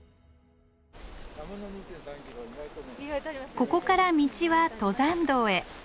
ここから道は登山道へ。